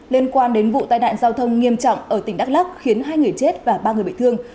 liên quan đến vụ tai nạn giao thông nghiêm trọng ở tỉnh đắk lắc khiến hai người chết và ba người bị thương